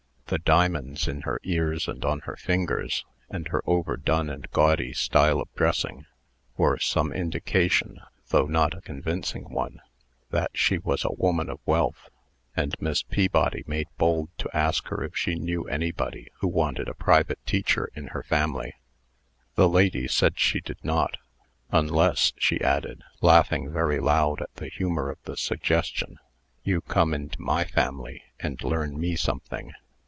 The diamonds in her ears and on her fingers, and her overdone and gaudy style of dressing, were some indication, though not a convincing one, that she was a woman of wealth; and Miss Pillbody made bold to ask her if she knew anybody who wanted a private teacher in her family. The lady said she did not, "unless," she added, laughing very loud at the humor of the suggestion, "you come into my family, and learn me something."